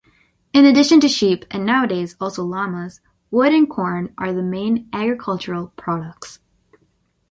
In addition to sheep and nowadays also lamas, wood and corn are the main agricultural products.